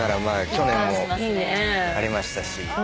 去年もありましたし。